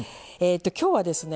今日はですね